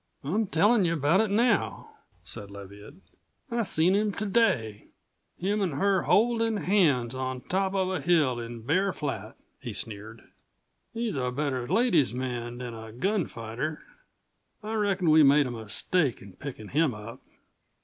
"I'm tellin' you about it now," said Leviatt. "I seen him to day; him an' her holdin' hands on top of a hill in Bear Flat." He sneered. "He's a better ladies' man than a gunfighter. I reckon we made a mistake in pickin' him up."